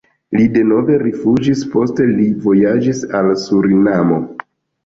Li denove rifuĝis, poste li vojaĝis al Surinamo.